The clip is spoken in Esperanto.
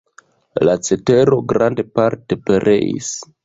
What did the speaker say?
La cetero grandparte pereis.